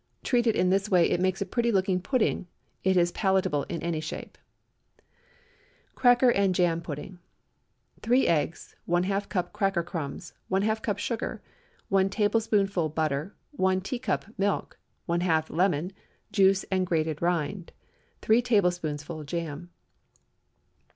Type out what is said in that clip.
Treated in this way, it makes a pretty looking pudding. It is palatable in any shape. CRACKER AND JAM PUDDING. 3 eggs. ½ cup cracker crumbs. ½ cup sugar. 1 tablespoonful butter. 1 teacup milk. ½ lemon—juice and grated rind. 3 tablespoonfuls jam.